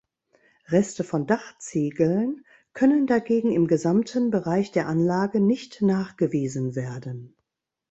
Reste von Dachziegeln können dagegen im gesamten Bereich der Anlage nicht nachgewiesen werden.